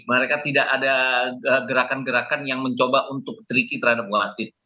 mereka tidak ada gerakan gerakan yang mencoba untuk tricky terhadap wasit